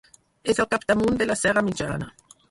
És al capdamunt de la Serra Mitjana.